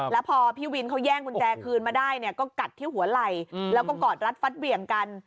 แล้วพอพี่วินเขาแย่งกุญแจคืนมาได้เนี่ยก็กัดที่หัวไหล่แล้วก็กอดรัดฟัดเหวี่ยงกัน